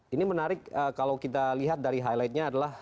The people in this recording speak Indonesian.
ini menarik kalau kita lihat dari highlightnya adalah